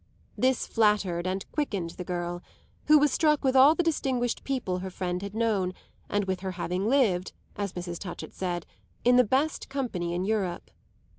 This flattered and quickened the girl, who was struck with all the distinguished people her friend had known and with her having lived, as Mrs. Touchett said, in the best company in Europe.